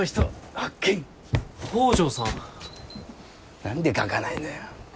何で書かないのよ。